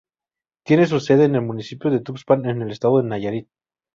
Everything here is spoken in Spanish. Tiene su sede en el municipio de Tuxpan en el estado de Nayarit.